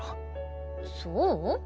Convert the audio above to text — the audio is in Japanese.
そう？